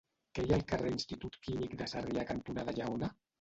Què hi ha al carrer Institut Químic de Sarrià cantonada Lleona?